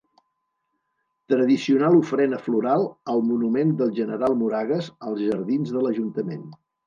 Tradicional ofrena floral al Monument del General Moragues, als jardins de l'Ajuntament.